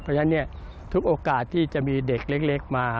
เพราะฉะนั้นทุกโอกาสที่จะมีเด็กเล็กมา